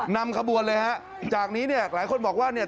นำขบวนเลยฮะจากนี้เนี่ยหลายคนบอกว่าเนี่ย